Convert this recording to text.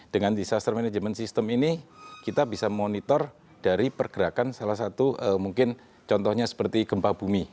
dengan disaster management system ini kita bisa monitor dari pergerakan salah satu mungkin contohnya seperti gempa bumi